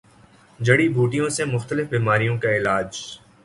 جڑی بوٹیوں سےمختلف بیماریوں کا علاج